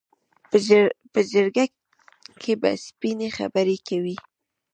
په جرګه کې به سپینې خبرې کوي.